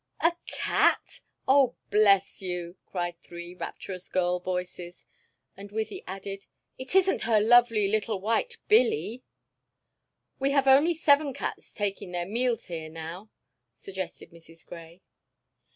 "A cat! Oh, bless you!" cried three rapturous girl voices, and Wythie added: "It isn't her lovely, white little Billee?" "We have only seven cats taking their meals here now," suggested Mrs. Grey.